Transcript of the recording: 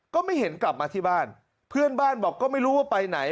ก็ไม่เห็นกลับมาที่บ้านเพื่อนบ้านบอกก็ไม่รู้ว่าไปไหน